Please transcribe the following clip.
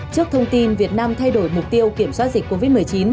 trước thông tin việt nam thay đổi mục tiêu kiểm soát dịch covid một mươi chín